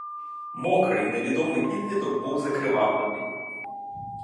Мокрий, невідомий підліток був закривавлений.